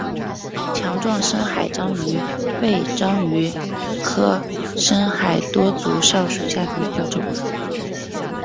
强壮深海章鱼为章鱼科深海多足蛸属下的一个种。